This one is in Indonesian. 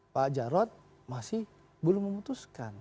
pak jarod masih belum memutuskan